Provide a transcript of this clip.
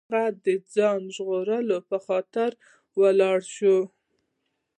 هغه د ځان ژغورلو په خاطر ولاړ شي.